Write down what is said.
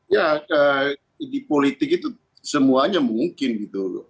ya di politik itu semuanya mungkin gitu loh